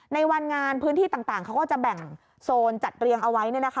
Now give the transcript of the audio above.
ในวันงานพื้นที่ต่างเขาก็จะแบ่งโซนจัดเรียงเอาไว้